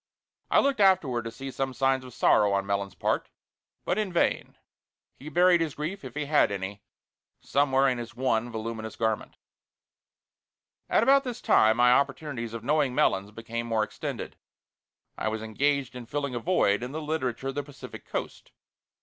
I looked afterward to see some signs of sorrow on Melons' part, but in vain; he buried his grief, if he had any, somewhere in his one voluminous garment. At about this time my opportunities of knowing Melons became more extended. I was engaged in filling a void in the Literature of the Pacific Coast.